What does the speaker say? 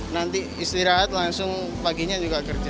nanti istirahat langsung paginya juga kerja